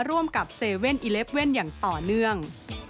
ร่วมกับ๗๑๑อย่างต่อเนื่อง